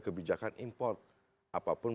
kebijakan import apapun